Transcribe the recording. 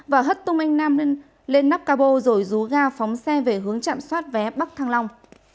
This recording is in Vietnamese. và hất tung anh nam lên nắp cabo rồi rú ga phóng xe về hướng chạm soát vé bắc thăng long